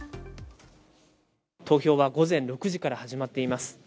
投票は午前６時から始まっています。